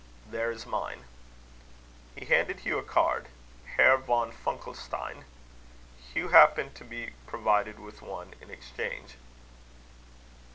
There is mine." He handed Hugh a card: Herr von Funkelstein. Hugh happened to be provided with one in exchange.